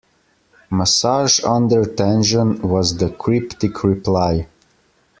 Massage under tension, was the cryptic reply.